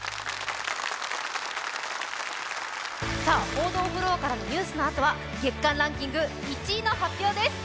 報道フロアからのニュースのあとは月間ランキング１位の発表です！